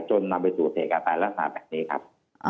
จนนำไปตรวจเหตุการณ์ไตลักษณ์มาแบบนี้ครับ